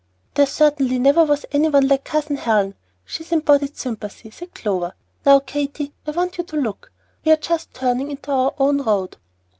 "There certainly never was any one like Cousin Helen. She is embodied sympathy," said Clover. "Now, Katy, I want you to look. We are just turning into our own road."